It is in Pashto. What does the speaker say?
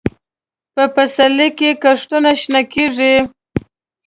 په پسرلي کې کښتونه شنه کېږي.